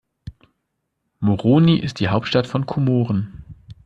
Moroni ist die Hauptstadt von Komoren.